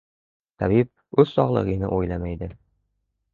• Tabib o‘z sog‘ligini o‘ylamaydi.